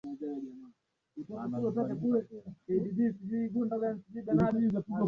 sidhani kwa hali ilivyo hivi sasa kwamba anaweza kuwashawishi na kuondoa msimamo wao walionao